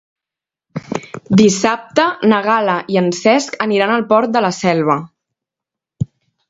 Dissabte na Gal·la i en Cesc aniran al Port de la Selva.